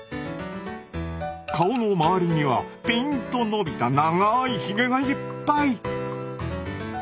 顔の周りにはピンとのびた長いひげがいっぱい！